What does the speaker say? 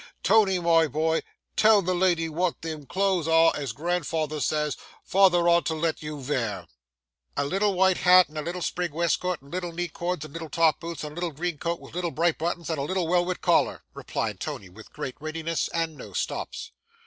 Tony, my boy, tell the lady wot them clothes are, as grandfather says, father ought to let you vear.' 'A little white hat and a little sprig weskut and little knee cords and little top boots and a little green coat with little bright buttons and a little welwet collar,' replied Tony, with great readiness and no stops.